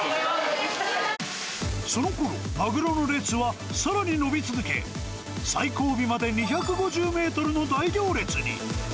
そのころ、マグロの列は、さらに伸び続け、最後尾まで２５０メートルの大行列に。